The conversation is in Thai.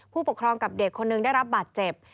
ผู้ปกครองกับเด็กคนหนึ่งได้รับบาดเจ็บ